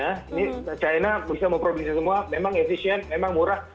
ini china bisa memproduksi semua memang efisien memang murah